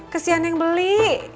kesian yang beli